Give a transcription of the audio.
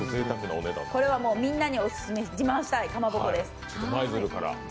これはみんなに自慢したいかまぼこです。